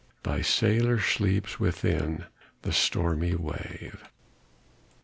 Thy sailor sleeps within the stormy wave.